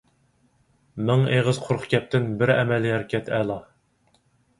مىڭ ئېغىز قۇرۇق گەپتىن بىر ئەمەلىي ھەرىكەت ئەلا.